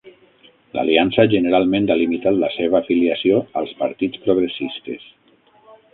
L'aliança generalment ha limitat la seva filiació als partits progressistes.